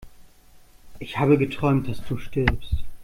Ich habe geträumt, dass du stirbst!